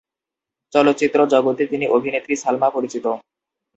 চলচ্চিত্র জগতে তিনি অভিনেত্রী সালমা পরিচিত।